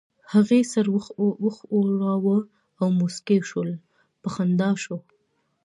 هغې سر وښوراوه او موسکۍ شول، په خندا شوه.